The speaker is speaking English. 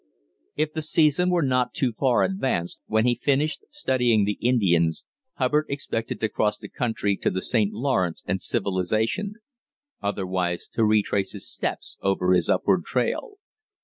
If the season were not too far advanced when he finished studying the Indians, Hubbard expected to cross the country to the St. Lawrence and civilisation; otherwise to retrace his steps over his upward trail.